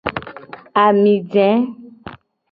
Ami je.